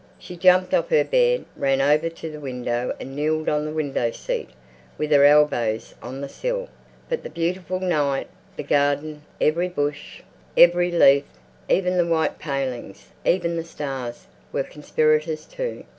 She jumped off her bed, ran over to the window and kneeled on the window seat, with her elbows on the sill. But the beautiful night, the garden, every bush, every leaf, even the white palings, even the stars, were conspirators too.